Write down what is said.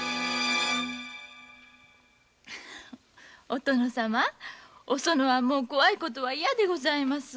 お殿様おそのはもう怖い事は嫌でございます。